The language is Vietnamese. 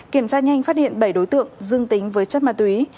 kiểm tra nhanh phát hiện bảy đối tượng dương tính với chất ma túy